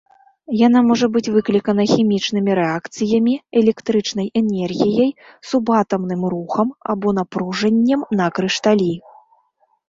Яна можа быць выклікана хімічнымі рэакцыямі, электрычнай энергіяй, субатамным рухам або напружаннем на крышталі.